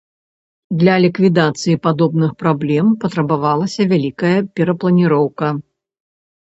Для ліквідацыі падобных праблем патрабавалася вялікая перапланіроўка.